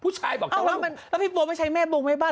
ผู้ชายบอกเอ้าแล้วมันแล้วพี่โบ๊ะไม่ใช่แม่โบ๊งไหมบ้าง